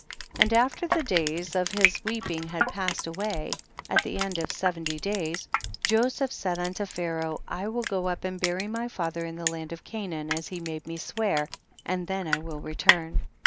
31. And after the days of his weeping had passed away, at the end of seventy days, Joseph said unto Pharaoh, I will go up and bury my father in the land of Canaan as he made me swear, and then I will return.